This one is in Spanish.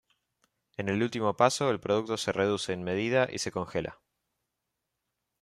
En el último paso el producto se reduce en medida y se congela.